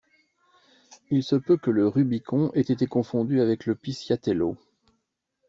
Il se peut que le Rubicon ait été confondu avec le Pisciatello.